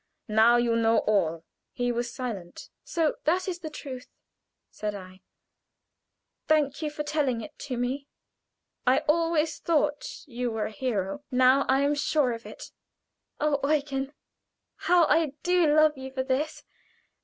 Now you know all." He was silent. "So that is the truth?" said I. "Thank you for telling it to me. I always thought you were a hero; now I am sure of it. Oh, Eugen! how I do love you for this!